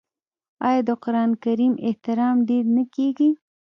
آیا د قران کریم احترام ډیر نه کیږي؟